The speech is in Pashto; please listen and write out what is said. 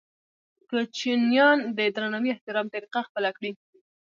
کوچنیان دې د درناوي او احترام طریقه خپله کړي.